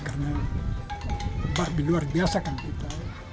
karena babi luar biasa kan kita